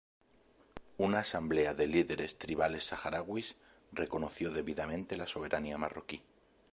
Una asamblea de líderes tribales saharauis reconoció debidamente la soberanía marroquí.